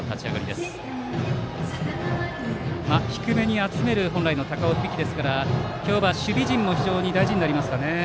本来、低めに集める高尾響ですから今日は守備陣も非常に大事になりますね。